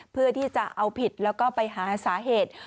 เพื่อที่จะเอาผิดแล้วก็ไปหาสาเหตุ